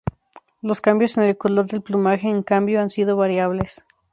Los cambios en el color del plumaje, en cambio, han sido variables.